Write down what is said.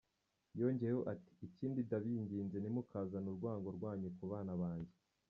Yongeyeho ati “Ikindi ndabinginze ntimukazane urwango rwanyu ku bana banjye.